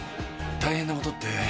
大変なことって。